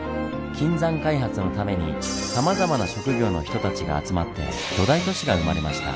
金山開発のためにさまざまな職業の人たちが集まって巨大都市が生まれました。